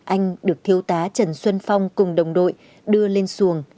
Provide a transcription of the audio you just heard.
anh được thiếu tá trần xuân phong cùng đồng đội đưa lên xuồng